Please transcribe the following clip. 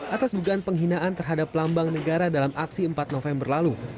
atas dugaan penghinaan terhadap lambang negara dalam aksi empat november lalu